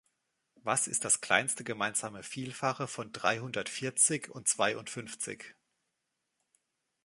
Was ist das kleinste gemeinsame Vielfache von Dreihundertvierzig und Zweiundfünfzig?